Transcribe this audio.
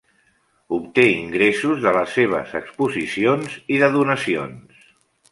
Obté ingressos de les seves exposicions i de donacions.